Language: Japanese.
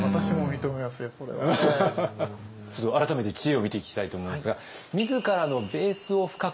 ちょっと改めて知恵を見ていきたいと思いますが。